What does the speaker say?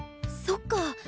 そっか